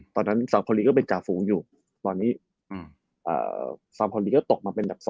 ตอนนั้นสังเภารีก็เป็นจาฟูอยู่ตอนนี้สังเภารีก็ตกมาเป็นดับ๒